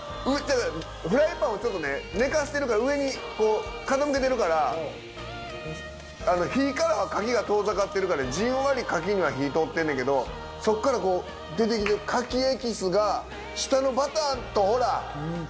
フライパンをちょっとね寝かしてるから上にこう傾けてるから火からは牡蠣が遠ざかってるからじんわり牡蠣には火通ってんねんけどそっから出てきてる牡蠣エキスが下のバターとほら。